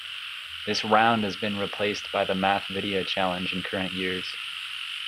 This round has been replaced by the Math Video Challenge in current years.